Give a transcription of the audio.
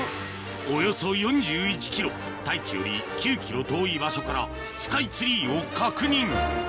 およそ４１ｋｍ太一より９ｋｍ遠い場所からスカイツリーを確認